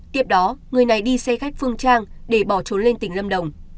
tiếp đó người này đi xe khách phương trang để bỏ trốn lên tỉnh lâm đồng